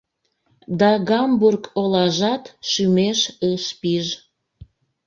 Да Гамбург олажат шӱмеш ыш пиж!